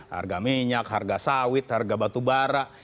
harga minyak harga sawit harga batu bara